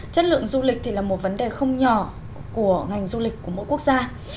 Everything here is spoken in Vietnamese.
chất lượng du lịch thì là một vấn đề không nhỏ của ngành du lịch của mỗi quốc gia